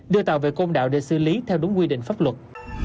đưa tàu về côn đảo để xử lý theo đúng quy định pháp luật